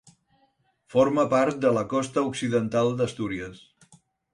Forma part de la Costa Occidental d'Astúries.